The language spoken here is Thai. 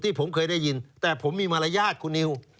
ผมเคยได้ยินแต่ผมมีมารยาทคุณนิว